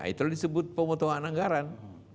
itu disebut pemotongan anggaran